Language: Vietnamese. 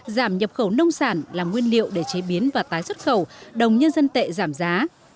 giảm nhập khẩu nông sản làm nguyên liệu để chế biến và tái xuất khẩu đồng nhân dân tệ giảm giá